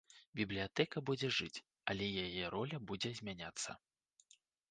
Бібліятэка будзе жыць, але яе роля будзе змяняцца.